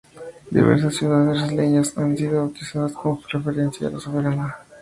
Diversas ciudades brasileñas han sido bautizadas con referencia a la soberana.